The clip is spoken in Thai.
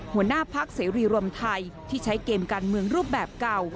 หัวหน้าพักเสรีรวมไทยที่ใช้เกมการเมืองรูปแบบเก่า